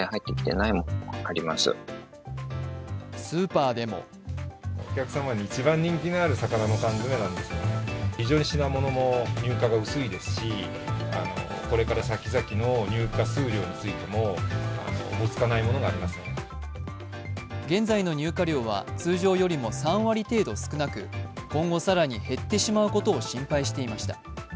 スーパーでも現在の入荷量は通常よりも３割程度少なく、今後、更に減ってしまうことを心配していました。